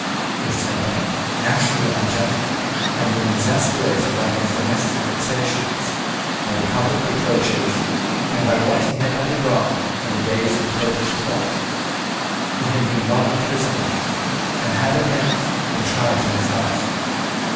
His temper, naturally ungentle, had been exasperated by his domestic vexations, by the public reproaches, and by what he had undergone in the days of the Popish plot. He had been long a prisoner, and had at length been tried for his life.